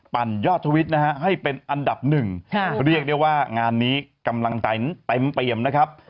ยอดทวิตนะฮะให้เป็นอันดับหนึ่งเรียกได้ว่างานนี้กำลังใจนั้นเต็มเปรียมนะครับ